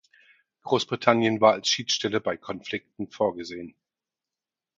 Großbritannien war als Schiedsstelle bei Konflikten vorgesehen.